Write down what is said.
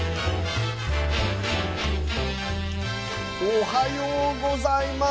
おはようございます。